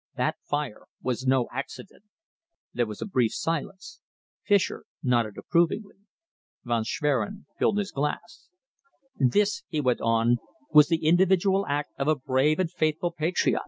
That fire was no accident." There was a brief silence. Fischer nodded approvingly. Von Schwerin filled his glass. "This," he went on, "was the individual act of a brave and faithful patriot.